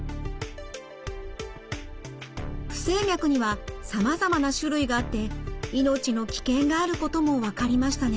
不整脈にはさまざまな種類があって命の危険があることも分かりましたね。